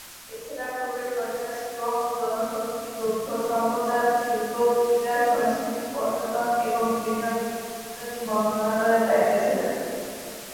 এছাড়া পূর্বে সরকারের শ্রম ও জনশক্তি, তথ্য ও সম্প্রচার, শিল্প, ক্রীড়া, সংস্কৃতি, পর্যটন এবং বিনিয়োগ ইত্যাদি মন্ত্রনালয়ের দায়িত্বে ছিলেন।